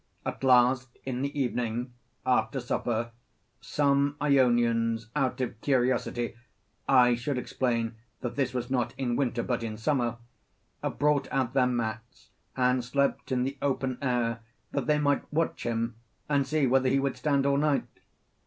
At last, in the evening after supper, some Ionians out of curiosity (I should explain that this was not in winter but in summer), brought out their mats and slept in the open air that they might watch him and see whether he would stand all night.